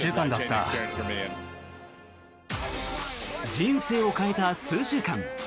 人生を変えた数週間。